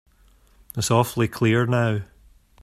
It's awfully clear now.